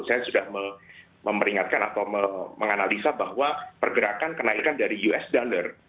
saya sudah memperingatkan atau menganalisa bahwa pergerakan kenaikan dari us dollar